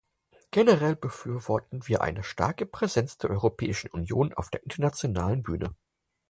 Generell befürworten wir eine starke Präsenz der Europäischen Union auf der internationalen Bühne.